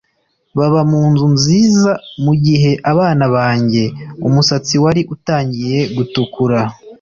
baba mu nzu nziza mu gihe abana banjye umusatsi wari utangiye gutukura